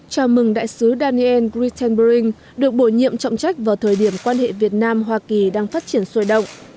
chào mừng đại sứ daniel christenbering được bổ nhiệm trọng trách vào thời điểm quan hệ việt nam hoa kỳ đang phát triển sôi động